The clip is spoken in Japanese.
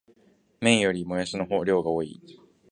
麺よりもやしの量が多い